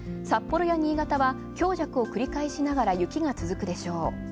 札幌や新潟は強弱を繰り返しながら雪が続くでしょう。